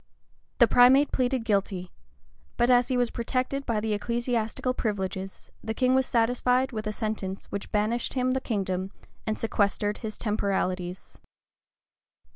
The primate pleaded guilty; but as he was protected by the ecclesiastical privileges, the king was satisfied with a sentence which banished him the kingdom, and sequestered his temporalities.